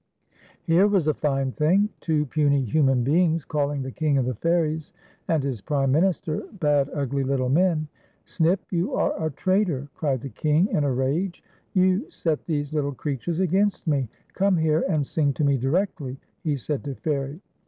Here was a fine thing ! Two puny human beings calling the King of the Fairies and his prime minister bad, ugly little men ! "Snip, you are a traitor," cried the King in a rage. "You set these little creatures against me. Come here and sing to me directly," he said to Fairie.